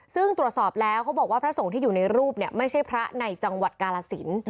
ซึ่งตรวจสอบแล้วเขาบอกว่าพระสงฆ์ที่อยู่ในรูปไม่ใช่พระในจังหวัดกาลสิน